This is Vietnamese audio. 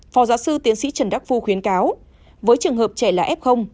phó giáo sư tiến sĩ trần đắc phu khuyến cáo với trường hợp trẻ là f